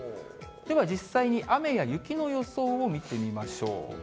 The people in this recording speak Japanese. では実際に、雨や雪の予想を見てみましょう。